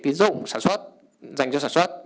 tiến dụng sản xuất dành cho sản xuất